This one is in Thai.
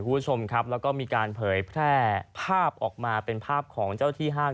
คุณผู้ชมครับแล้วก็มีการเผยแพร่ภาพออกมาเป็นภาพของเจ้าที่ห้าง